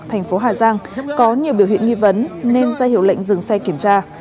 thành phố hà giang có nhiều biểu hiện nghi vấn nên sẽ hiểu lệnh dừng xe kiểm tra